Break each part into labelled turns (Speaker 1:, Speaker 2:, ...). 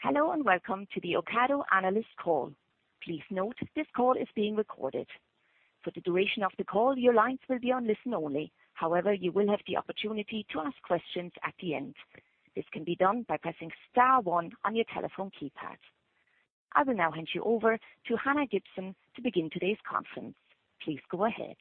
Speaker 1: Hello, and welcome to the Ocado Analyst Call. Please note, this call is being recorded. For the duration of the call, your lines will be on listen only. However, you will have the opportunity to ask questions at the end. This can be done by pressing star one on your telephone keypad. I will now hand you over to Hannah Gibson to begin today's conference. Please go ahead.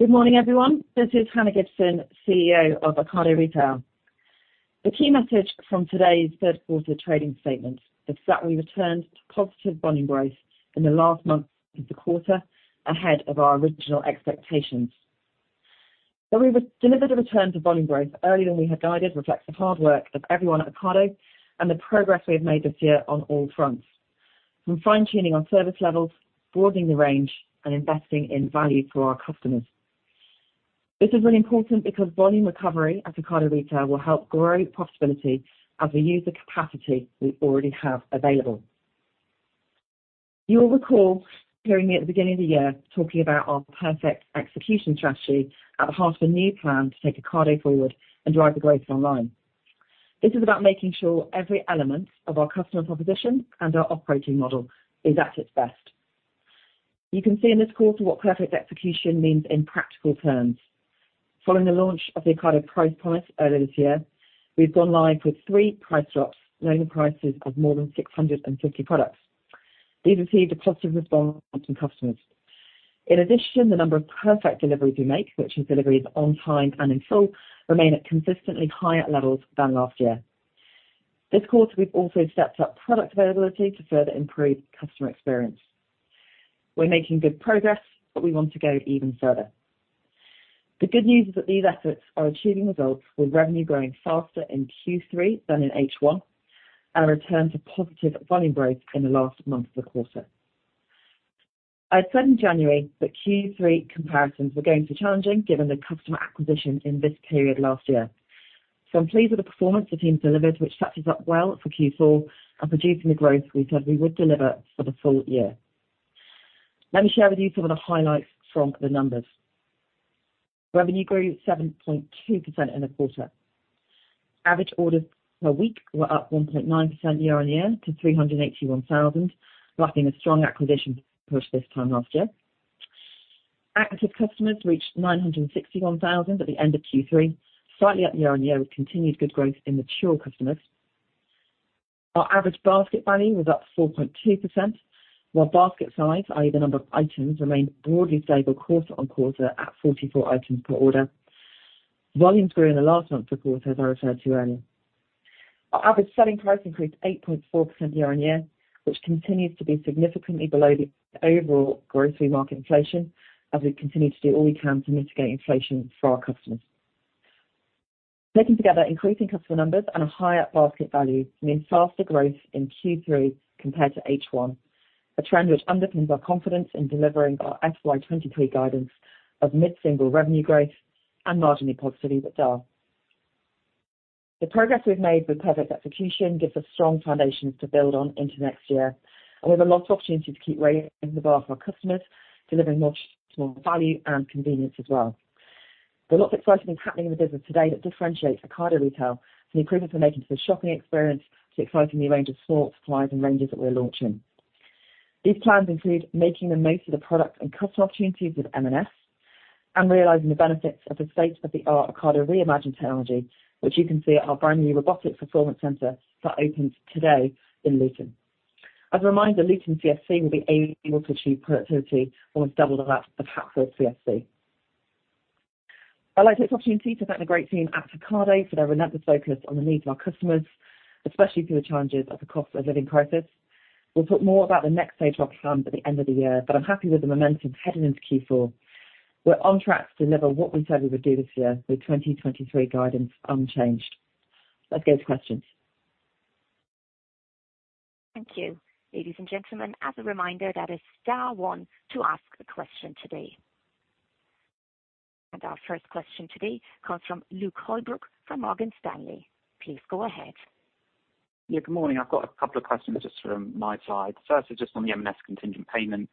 Speaker 2: Good morning, everyone. This is Hannah Gibson, CEO of Ocado Retail. The key message from today's Q3 trading statement is that we returned to positive volume growth in the last month of the quarter, ahead of our original expectations. That we delivered a return to volume growth earlier than we had guided reflects the hard work of everyone at Ocado and the progress we have made this year on all fronts, from fine-tuning our service levels, broadening the range, and investing in value for our customers. This is really important because volume recovery at Ocado Retail will help grow profitability as we use the capacity we already have available. You will recall hearing me at the beginning of the year talking about our perfect execution strategy at the heart of a new plan to take Ocado forward and drive the growth online. This is about making sure every element of our customer proposition and our operating model is at its best. You can see in this quarter what perfect execution means in practical terms. Following the launch of the Ocado Price Promise earlier this year, we've gone live with three price drops, lowering the prices of more than 650 products. These received a positive response from customers. In addition, the number of perfect deliveries we make, which is deliveries on time and in full, remain at consistently higher levels than last year. This quarter, we've also stepped up product availability to further improve customer experience. We're making good progress, but we want to go even further. The good news is that these efforts are achieving results, with revenue growing faster in Q3 than in H1, and a return to positive volume growth in the last month of the quarter. I said in January that Q3 comparisons were going to be challenging, given the customer acquisition in this period last year. So I'm pleased with the performance the team delivered, which sets us up well for Q4 and producing the growth we said we would deliver for the full year. Let me share with you some of the highlights from the numbers. Revenue grew 7.2% in the quarter. Average orders per week were up 1.9% year-over-year to 381,000, lacking a strong acquisition push this time last year. Active customers reached 961,000 at the end of Q3, slightly up year-over-year, with continued good growth in mature customers. Our average basket value was up 4.2%, while basket size, i.e., the number of items, remained broadly stable quarter-on-quarter at 44 items per order. Volumes grew in the last month of the quarter, as I referred to earlier. Our average selling price increased 8.4% year-on-year, which continues to be significantly below the overall grocery market inflation, as we continue to do all we can to mitigate inflation for our customers. Taken together, increasing customer numbers and a higher basket value mean faster growth in Q3 compared to H1, a trend which underpins our confidence in delivering our FY 2023 guidance of mid-single revenue growth and marginally positive EBITDA. The progress we've made with perfect execution gives us strong foundations to build on into next year, and we have a lot of opportunity to keep raising the bar for our customers, delivering more, more value and convenience as well. There's a lot of excitement happening in the business today that differentiates Ocado Retail, from the improvements we're making to the shopping experience to the exciting new range of stores, suppliers, and ranges that we're launching. These plans include making the most of the product and customer opportunities with M&S and realizing the benefits of the state-of-the-art Ocado Re:imagined technology, which you can see at our brand new robotics performance center that opened today in Luton. As a reminder, Luton CFC will be able to achieve productivity almost double that of Hatfield CFC. I'd like to take this opportunity to thank the great team at Ocado for their relentless focus on the needs of our customers, especially through the challenges of the cost of living crisis. We'll talk more about the next stage of our plan at the end of the year, but I'm happy with the momentum heading into Q4. We're on track to deliver what we said we would do this year, with 2023 guidance unchanged. Let's go to questions.
Speaker 1: Thank you. Ladies and gentlemen, as a reminder, that is star one to ask a question today. Our first question today comes from Luke Holbrook from Morgan Stanley. Please go ahead.
Speaker 3: Yeah, good morning. I've got a couple of questions just from my side. First is just on the M&S contingent payment.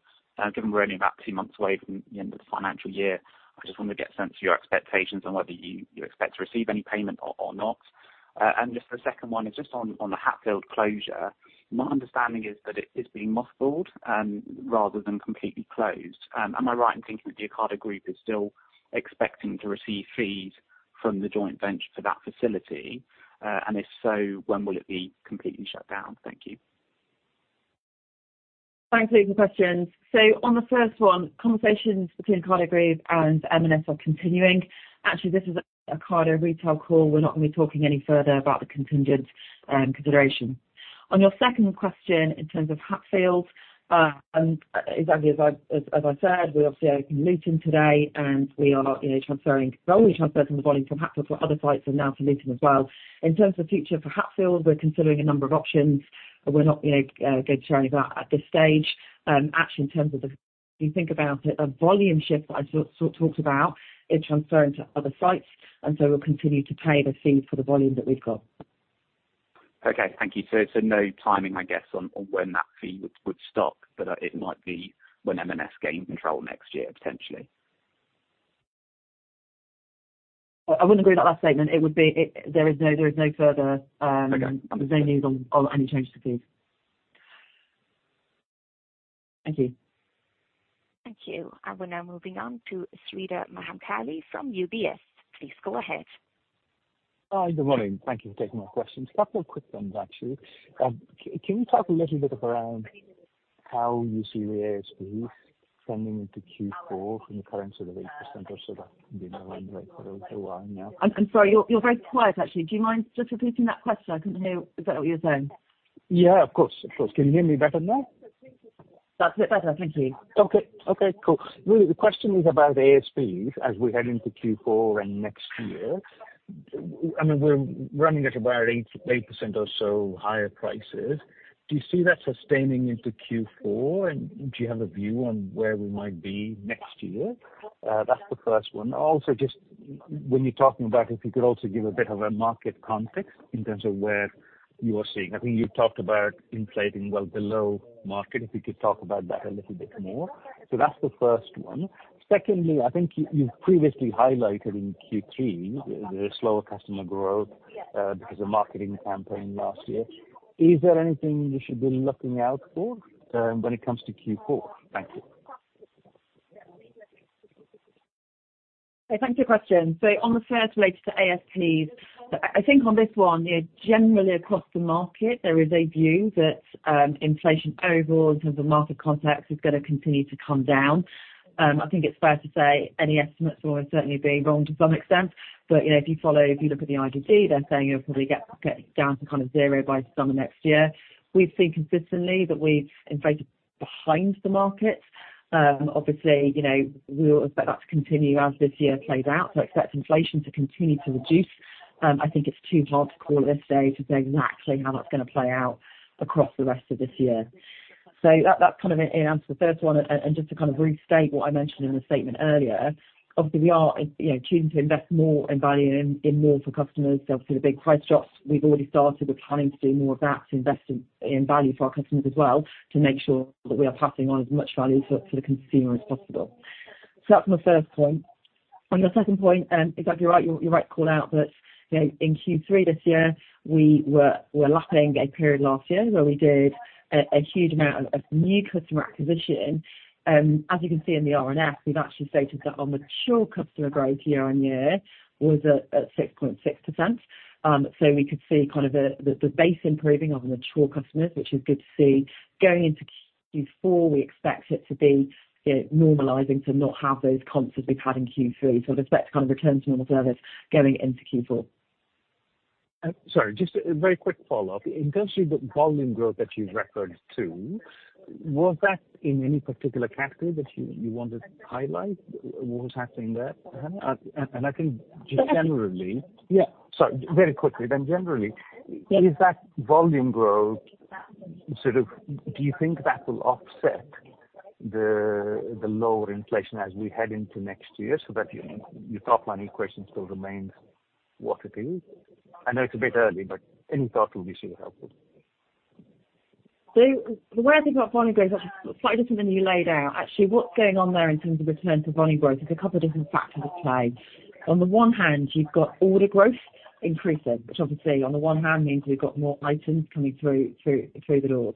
Speaker 3: Given we're only about two months away from the end of the financial year, I just wanted to get a sense of your expectations on whether you expect to receive any payment or not. And just the second one is just on the Hatfield closure. My understanding is that it is being mothballed rather than completely closed. Am I right in thinking that the Ocado Group is still expecting to receive fees from the joint venture for that facility? And if so, when will it be completely shut down? Thank you.
Speaker 2: Thanks for the questions. So on the first one, conversations between Ocado Group and M&S are continuing. Actually, this is an Ocado Retail call. We're not going to be talking any further about the contingent consideration. On your second question, in terms of Hatfield and exactly as I said, we're obviously opening Luton today, and we are, you know, transferring volume. We're transferring the volume from Hatfield to other sites and now to Luton as well. In terms of the future for Hatfield, we're considering a number of options. We're not, you know, going to share any of that at this stage. Actually, in terms of the... If you think about it, a volume shift that I sort of talked about in transferring to other sites, and so we'll continue to pay the fee for the volume that we've got. ...
Speaker 3: Okay, thank you. So no timing, I guess, on when that fee would stop, but it might be when M&S gain control next year, potentially?
Speaker 2: I wouldn't agree with that last statement. It would be, there is no, there is no further.
Speaker 3: Okay.
Speaker 2: There's no news on any changes to fees. Thank you.
Speaker 1: Thank you. We're now moving on to Sreedhar Mahamkali from UBS. Please go ahead.
Speaker 4: Hi, good morning. Thank you for taking my questions. Couple of quick ones actually. Can you talk a little bit around how you see the ASPs trending into Q4 from the current sort of 8% or so that can be run rate for the line now?
Speaker 2: I'm sorry, you're very quiet actually. Do you mind just repeating that question? I couldn't hear exactly what you were saying.
Speaker 4: Yeah, of course, of course. Can you hear me better now?
Speaker 2: That's a bit better. Thank you.
Speaker 4: Okay, okay, cool. Really the question is about ASPs as we head into Q4 and next year. I mean, we're running at about 8% or so higher prices. Do you see that sustaining into Q4? And do you have a view on where we might be next year? That's the first one. Also, just when you're talking about, if you could also give a bit of a market context in terms of where you are seeing. I think you've talked about inflating well below market, if you could talk about that a little bit more. That's the first one. Secondly, I think you, you've previously highlighted in Q3, the slower customer growth, because of marketing campaign last year. Is there anything we should be looking out for when it comes to Q4? Thank you.
Speaker 2: Thanks for your question. So on the first related to ASPs, I, I think on this one, you know, generally across the market, there is a view that inflation overall in terms of market complex is going to continue to come down. I think it's fair to say any estimates will certainly be wrong to some extent, but, you know, if you look at the IGD, they're saying it'll probably get down to kind of zero by summer next year. We've seen consistently that we've inflated behind the market. Obviously, you know, we expect that to continue as this year plays out. So expect inflation to continue to reduce. I think it's too hard to call today to say exactly how that's going to play out across the rest of this year. So that, that's kind of it in answer to the first one. And just to kind of restate what I mentioned in the statement earlier, obviously, we are, you know, tuned to invest more in value and in more for customers. So obviously the big price drops we've already started, we're planning to do more of that, to invest in value for our customers as well, to make sure that we are passing on as much value to the consumer as possible. So that's my first point. On the second point, exactly right. You're right to call out that, you know, in Q3 this year, we were, we're lapping a period last year where we did a huge amount of new customer acquisition. As you can see in the RNS, we've actually stated that on the mature customer growth year-on-year was at 6.6%. So we could see kind of the base improving on mature customers, which is good to see. Going into Q4, we expect it to be, you know, normalizing to not have those comps as we've had in Q3. So I'd expect to kind of return to normal service going into Q4.
Speaker 4: Sorry, just a very quick follow-up. In terms of the volume growth that you referred to, was that in any particular category that you wanted to highlight what was happening there? And I think just generally-
Speaker 2: Yeah.
Speaker 4: Sorry, very quickly then generally-
Speaker 2: Yeah.
Speaker 4: Is that volume growth, sort of do you think that will offset the lower inflation as we head into next year so that your top line equation still remains what it is? I know it's a bit early, but any thought will be super helpful.
Speaker 2: So the way I think about volume growth, slightly different than you laid out. Actually, what's going on there in terms of return to volume growth is a couple of different factors at play. On the one hand, you've got order growth increasing, which obviously on the one hand means we've got more items coming through the doors.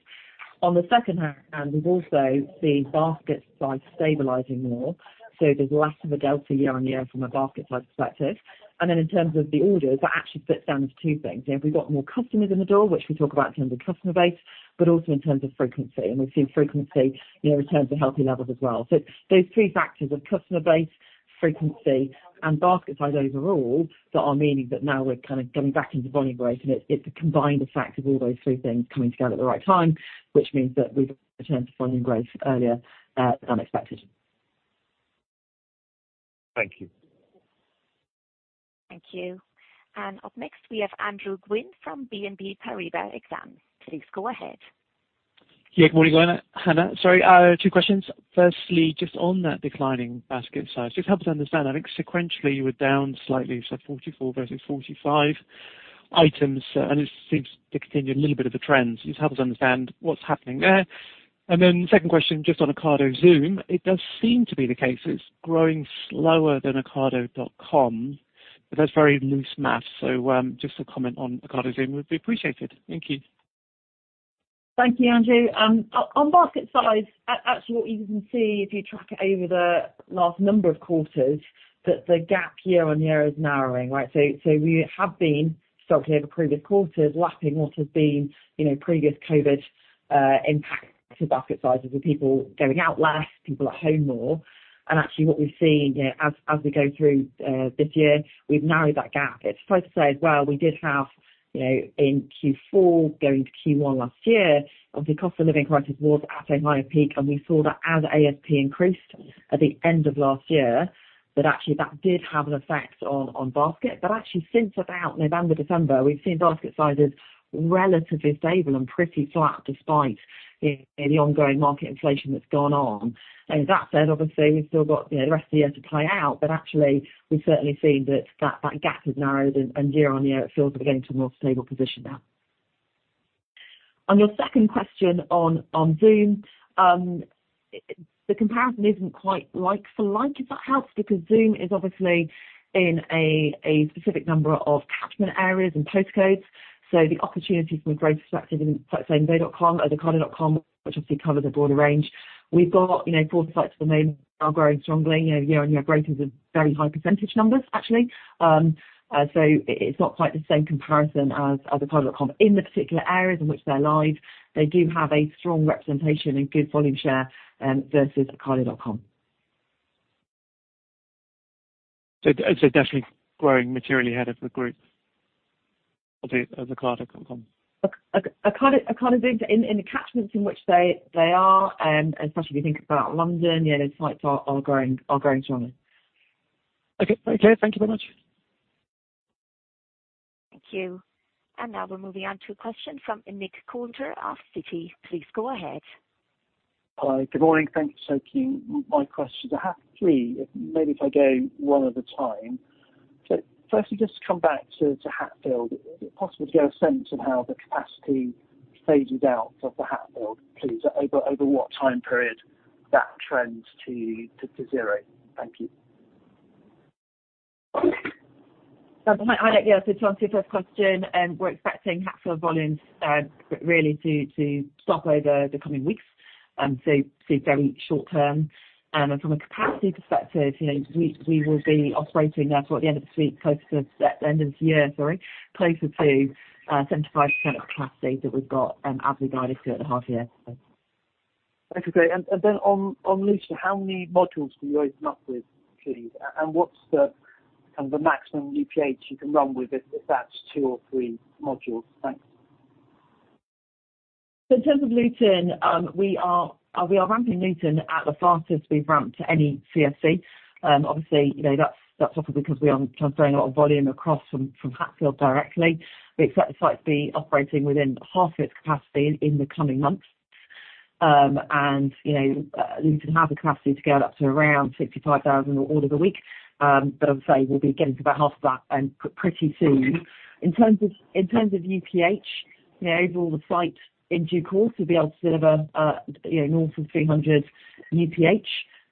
Speaker 2: On the second hand, we've also seen basket size stabilizing more, so there's less of a delta year on year from a basket size perspective. And then in terms of the orders, that actually splits down into two things. You know, we've got more customers in the door, which we talk about in terms of customer base, but also in terms of frequency. And we've seen frequency, you know, return to healthy levels as well. So those three factors of customer base, frequency, and basket size overall that are meaning that now we're kind of going back into volume growth, and it's a combined effect of all those three things coming together at the right time, which means that we've returned to volume growth earlier than expected.
Speaker 4: Thank you.
Speaker 1: Thank you. Up next, we have Andrew Gwynn from BNP Paribas Exane. Please go ahead.
Speaker 5: Yeah, good morning, Hannah. Sorry, two questions. Firstly, just on that declining basket size, just help us understand, I think sequentially you were down slightly, so 44 versus 45 items, and it seems to continue a little bit of a trend. Just help us understand what's happening there. And then the second question, just on Ocado Zoom, it does seem to be the case it's growing slower than Ocado.com, but that's very loose math. So, just a comment on Ocado Zoom would be appreciated. Thank you.
Speaker 2: Thank you, Andrew. On basket size, actually what you can see if you track it over the last number of quarters, that the gap year-on-year is narrowing, right? So we have been strongly over previous quarters, lapping what has been, you know, previous COVID impact to basket sizes, with people going out less, people at home more. And actually what we've seen, you know, as we go through this year, we've narrowed that gap. It's fair to say as well, we did have, you know, in Q4, going to Q1 last year, obviously, cost of living crisis was at a higher peak, and we saw that as ASP increased at the end of last year, that actually that did have an effect on basket. Actually, since about November, December, we've seen basket sizes relatively stable and pretty flat, despite the ongoing market inflation that's gone on. That said, obviously, we've still got, you know, the rest of the year to play out, but actually we've certainly seen that gap has narrowed and year-on-year it feels we're getting to a more stable position now. On your second question on Zoom, the comparison isn't quite like for like, if that helps, because Zoom is obviously in a specific number of catchment areas and postcodes, so the opportunities for growth is active in, let's say, Zoopla.com or ocado.com, which obviously covers a broader range. We've got, you know, four sites for main are growing strongly, you know, year-on-year growth is a very high percentage numbers, actually. So it, it's not quite the same comparison as other Ocado.com. In the particular areas in which they're live, they do have a strong representation and good volume share, versus Ocado.com.
Speaker 5: So, definitely growing materially ahead of the group of Ocado.com?
Speaker 2: Ocado, Ocado Zoom in the catchments in which they are, especially if you think about London, yeah, those sites are growing strongly.
Speaker 5: Okay, okay, thank you very much.
Speaker 1: Thank you. And now we're moving on to a question from Nick Coulter of Citi. Please go ahead.
Speaker 6: Hi, good morning. Thank you so keen. My question, I have three, maybe if I go one at a time. So firstly, just to come back to Hatfield, possibly to get a sense of how the capacity faded out of the Hatfield, please, over what time period that trends to zero? Thank you.
Speaker 2: Hi, Nick. Yeah, so to answer your first question, we're expecting Hatfield volumes really to stop over the coming weeks, so very short term. And from a capacity perspective, you know, we will be operating at, the end of this week, closer to the end of this year, sorry, closer to 75% of capacity that we've got, as we guided you at the half year.
Speaker 6: That's great. And then, on Luton, how many modules do you open up with, please? And what's the, kind of, the maximum UPH you can run with it if that's two or three modules? Thanks.
Speaker 2: In terms of Luton, we are ramping Luton at the fastest we've ramped any CFC. Obviously, you know, that's also because we are transferring a lot of volume across from Hatfield directly. We expect the site to be operating within half of its capacity in the coming months. You know, Luton has the capacity to scale up to around 65,000 orders a week, but I'd say we'll be getting to about half of that and pretty soon. In terms of UPH, you know, over all the sites in due course, we'll be able to serve, you know, north of 300 UPH.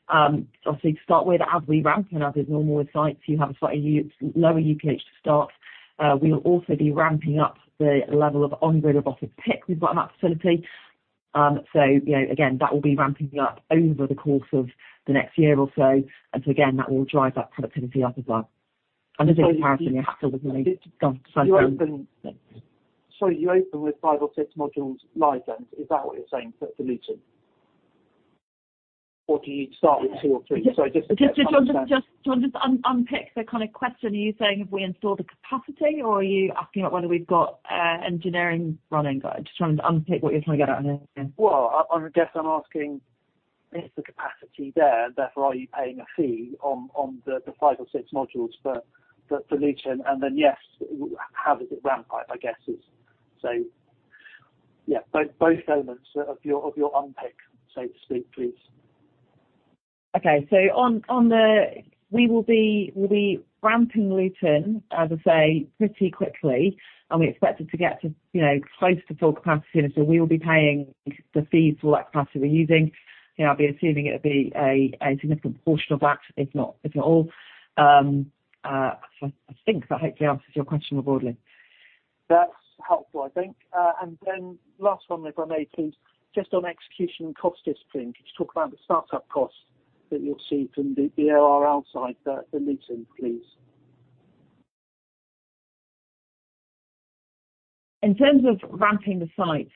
Speaker 2: Obviously, to start with, as we ramp and as is normal with sites, you have a slightly lower UPH to start. We will also be ramping up the level of on-grid and off-grid pick we've got in that facility. So, you know, again, that will be ramping up over the course of the next year or so. And so again, that will drive that productivity up as well.
Speaker 6: So you open with five or six modules live, then. Is that what you're saying for, for Luton? Or do you start with two or three? Sorry, just to-
Speaker 2: Just, John, just unpicking the kind of question. Are you saying have we installed the capacity, or are you asking about whether we've got engineering running? I'm just trying to unpicking what you're trying to get out of here.
Speaker 6: Well, I guess I'm asking, is the capacity there, therefore, are you paying a fee on the 5 or 6 modules for Luton? And then, yes, how does it ramp up, I guess, is... So yeah, both elements of your unpick, so to speak, please.
Speaker 2: Okay, so we will be, we'll be ramping Luton, as I say, pretty quickly, and we expect it to get to, you know, close to full capacity. So we will be paying the fees for what capacity we're using. You know, I'll be assuming it would be a significant portion of that, if not all. I think that hopefully answers your question broadly.
Speaker 6: That's helpful, I think. And then last one, if I may, please. Just on execution cost discipline, could you talk about the startup costs that you'll see from the Luton CFC, please?
Speaker 2: In terms of ramping the site,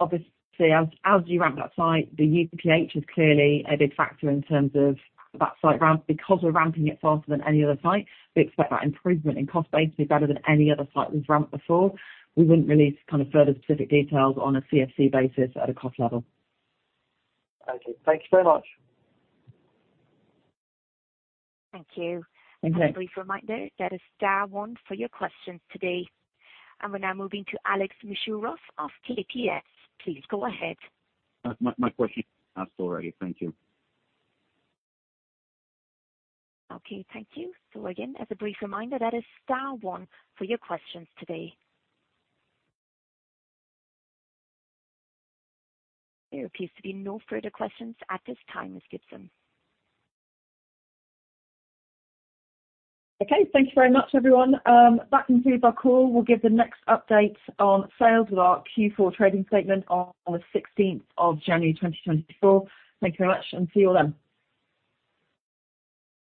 Speaker 2: obviously, as you ramp that site, the UPH is clearly a big factor in terms of that site ramp. Because we're ramping it faster than any other site, we expect that improvement in cost base to be better than any other site we've ramped before. We wouldn't release kind of further specific details on a CFC basis at a cost level.
Speaker 6: Okay. Thank you very much.
Speaker 1: Thank you.
Speaker 6: Thank you.
Speaker 1: A brief reminder, that is star one for your questions today. We're now moving to Alex Mishurov of KPS. Please go ahead.
Speaker 7: My, my question is asked already. Thank you.
Speaker 1: Okay, thank you. So again, as a brief reminder, that is star one for your questions today. There appears to be no further questions at this time, Ms. Gibson.
Speaker 2: Okay, thank you very much, everyone. That concludes our call. We'll give the next update on sales with our Q4 trading statement on the 16th of January 2024. Thank you very much, and see you all then.